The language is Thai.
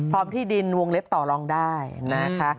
ที่ดินวงเล็บต่อรองได้นะคะ